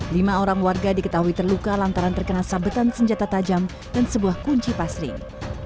lima orang warga diketahui terluka lantaran terkena sabetan senjata tajam dan sebuah kunci pasring